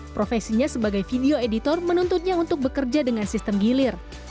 profesinya sebagai video editor menuntutnya untuk bekerja dengan sistem gilir